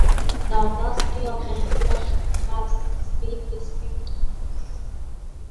The authenticity of the inscription has since been disputed.